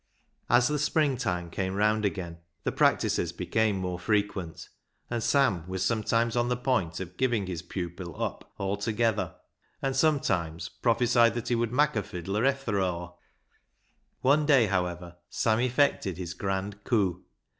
As the springtime came round again the practices became more frequent, and Sam was sometimes on the point of giving his pupil up ISAAC'S ANGEL 249 altogether, and sometimes prophesied that he would " mak' a fiddler efther aw." One day, however, Sam effected his grand coup.